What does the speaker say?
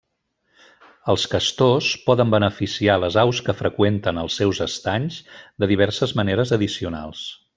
Els castors poden beneficiar les aus que freqüenten els seus estanys de diverses maneres addicionals.